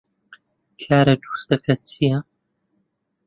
کارە دروستەکە چییە؟